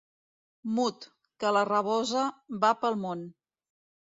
Mut, que la rabosa va pel món.